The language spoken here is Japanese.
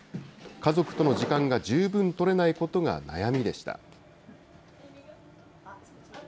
家族との時間が十分取れないことが悩みでした。